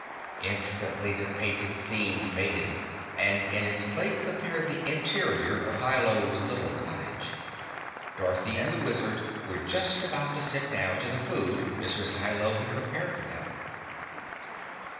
Instantly the painted scene faded and in its place appeared the interior of Hi Lo's little cottage. Dorothy and the Wizard were just about to sit down to the food Mrs. Hi Lo had prepared for them.